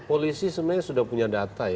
polisi sebenarnya sudah punya data ya